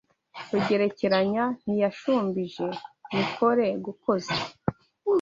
Rugerekeranya ntiyashumbije Mikore gukoza